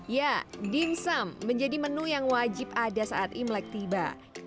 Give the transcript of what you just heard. ya dimsum menjadi menu yang wajib ada saat imlek tiba